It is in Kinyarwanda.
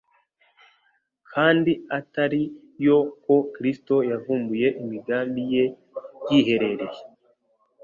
kandi atari yo ko Kristo yavumbuye imigambi ye yiherereye.